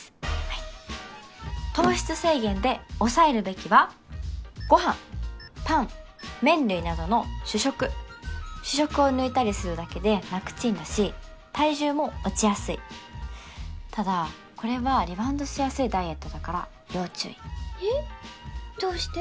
はい糖質制限で抑えるべきはご飯パン麺類などの主食主食を抜いたりするだけで楽ちんだし体重も落ちやすいただこれはリバウンドしやすいダイエットだから要注意えっどうして？